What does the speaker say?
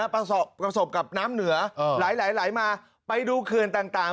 ประสบกับน้ำเหนือไหลมาไปดูเขื่อนต่าง